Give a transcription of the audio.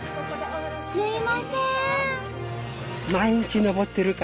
すいません！